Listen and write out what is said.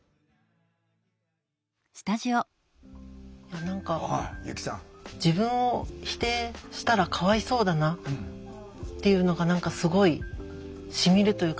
何か自分を否定したらかわいそうだなっていうのが何かすごいしみるというか。